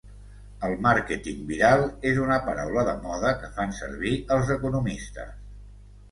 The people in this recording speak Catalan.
El "màrqueting viral" és una paraula de moda que fan servir els economistes.